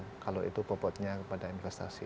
kalau itu bobotnya kepada investasi